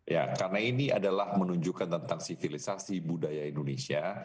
ya karena ini adalah menunjukkan tentang sivilisasi budaya indonesia